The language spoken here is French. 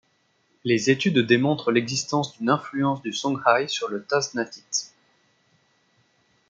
Les études démontrent l'existence d'une influence du songhay sur le taznatit.